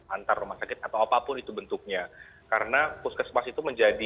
antar rumah sakit